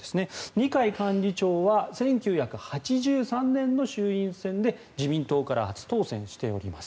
二階幹事長は１９８３年の衆院選で自民党から初当選しています。